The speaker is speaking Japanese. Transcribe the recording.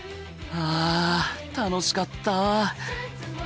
はあ楽しかった。